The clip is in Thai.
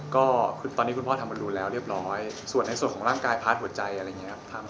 ก็ตอนนี้คุณพ่อทำมาดูแล้วเรียบร้อยส่วนในส่วนของร่างกายพาร์ทหัวใจอะไรอย่างนี้ครับ